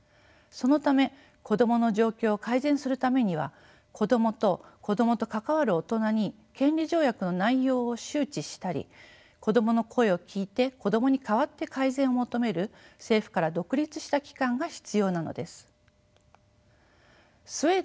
そのため子どもの状況を改善するためには子どもと子どもと関わる大人に権利条約の内容を周知したり子どもの声を聞いて子どもに代わって改善を求める政府から独立した機関が必要なのです。